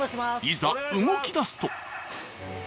いざ動きだすと。